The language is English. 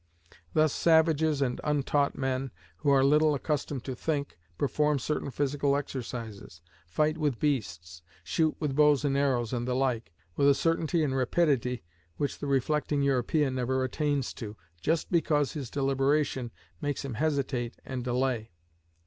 Thus savages and untaught men, who are little accustomed to think, perform certain physical exercises, fight with beasts, shoot with bows and arrows and the like, with a certainty and rapidity which the reflecting European never attains to, just because his deliberation makes him hesitate and delay.